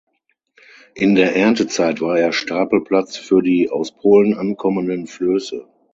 In der Erntezeit war er Stapelplatz für die aus Polen ankommenden Flöße.